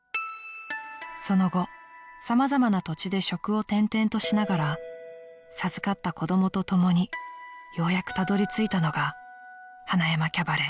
［その後様々な土地で職を転々としながら授かった子供と共にようやくたどりついたのが塙山キャバレー］